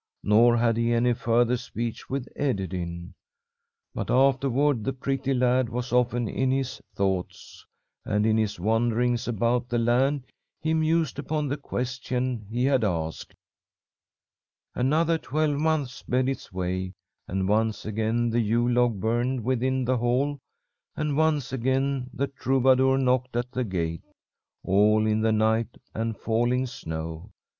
Nor had he any further speech with Ederyn. But afterward the pretty lad was often in his thoughts, and in his wanderings about the land he mused upon the question he had asked. "Another twelvemonth sped its way, and once again the Yule log burned within the hall, and once again the troubadour knocked at the gate, all in the night and falling snow.